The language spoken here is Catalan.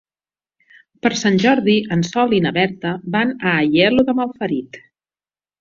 Per Sant Jordi en Sol i na Berta van a Aielo de Malferit.